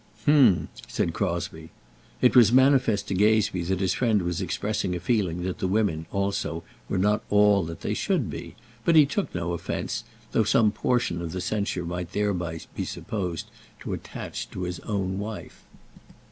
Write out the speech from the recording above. "H m," said Crosbie. It was manifest to Gazebee that his friend was expressing a feeling that the women, also, were not all that they should be, but he took no offence, though some portion of the censure might thereby be supposed to attach to his own wife.